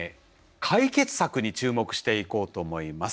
解決策に注目していこうと思います。